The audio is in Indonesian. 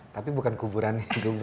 tapi bukan kuburan